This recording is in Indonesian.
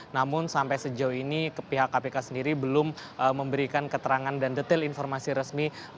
namun sampai sejauh ini pihak kpk sendiri belum memberikan keterangan dan detail informasi resmi